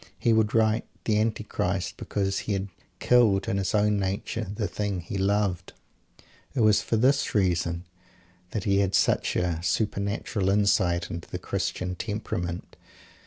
He could write "the Antichrist" because he had "killed." in his own nature, "the thing he loved" It was for this reason that he had such a supernatural insight into the Christian temperament.